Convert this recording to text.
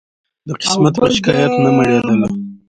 د قسمت په شکایت نه مړېدله